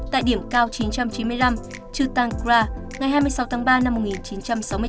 tại điểm cao chín trăm chín mươi năm chutang kra ngày hai mươi sáu tháng ba năm một nghìn chín trăm sáu mươi tám